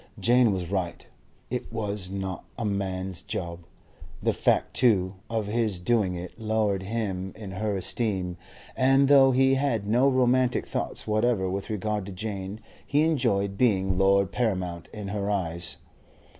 Jane was right. It was not a man's job. The fact, too, of his doing it lowered him in her esteem, and though he had no romantic thoughts whatever with regard to Jane, he enjoyed being Lord Paramount in her eyes.